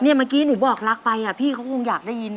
เนี่ยเมื่อกี้หนูบอกรักไปอ่ะพี่เค้าคงอยากได้ยิน